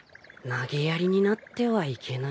投げやりになってはいけない。